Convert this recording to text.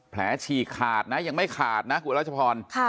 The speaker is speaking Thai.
แผลชี่ขาดยังไม่ขาดรัชพล